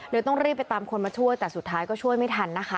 ต้องรีบไปตามคนมาช่วยแต่สุดท้ายก็ช่วยไม่ทันนะคะ